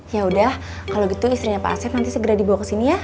yaudah kalau gitu istrinya pak sep nanti segera dibawa kesini ya